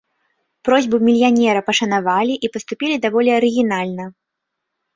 Просьбу мільянера пашанавалі і паступілі даволі арыгінальна.